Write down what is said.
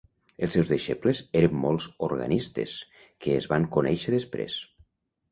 Els seus deixebles eren molts organistes que es van conèixer després.